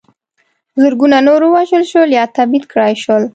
زرګونه نور ووژل شول او یا تبعید کړای شول.